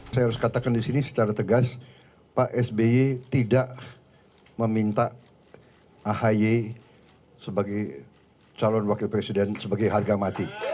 saya harus katakan di sini secara tegas pak sby tidak meminta ahi sebagai calon wakil presiden sebagai harga mati